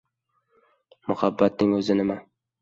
— Muhabbatning o‘zi nima?